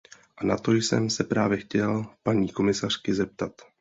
A na to jsem se právě chtěl paní komisařky zeptat.